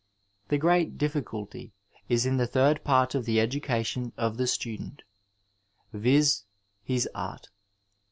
The great difficulty is in the third part of the eduoatioi of the student : via., his art.